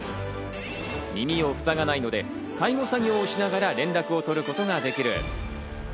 耳をふさがないので、介護作業しながら連絡を取ることができる。